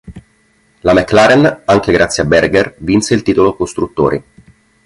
La McLaren, anche grazie a Berger, vinse il titolo Costruttori.